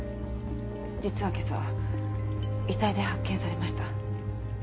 実は今朝遺体で発見されました。